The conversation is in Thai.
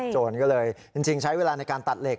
โจรก็เลยจริงใช้เวลาในการตัดเหล็